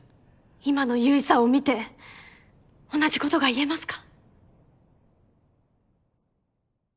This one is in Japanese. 今の結衣さんを見て同じことが言えますか？